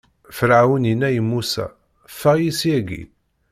Ferɛun inna i Musa: Ffeɣ-iyi syagi!